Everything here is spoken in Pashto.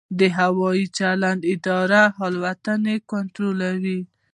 د هوايي چلند اداره الوتنې کنټرولوي